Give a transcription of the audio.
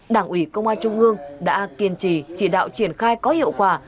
đảng ủy công an trung ương đã kiên trì chỉ đạo triển khai có hiệu quả